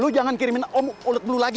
lu jangan kirimin om ulet bulu lagi ya